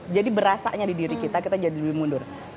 jadi berasanya di diri kita kita jadi lebih mundur